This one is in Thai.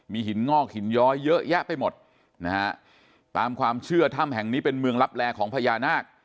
มีหินงอกหินย้อยเยอะแยะไปหมดนะฮะตามความเชื่อถ้ำแห่งนี้เป็นเมืองลับแลของพญานาค